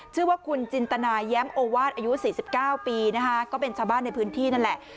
ชื่อว่าคุณจินตนายแย้มโอวาสอายุ๔๙ปีนะคะก็เป็นชาวบ้านในพื้นที่นั่นแหละ